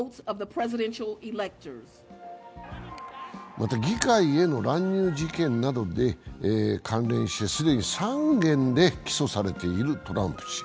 また議会への乱入事件などで関連して既に３件で起訴されているトランプ氏。